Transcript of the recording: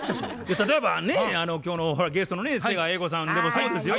例えばね今日のほらゲストの瀬川瑛子さんでもそうですよ。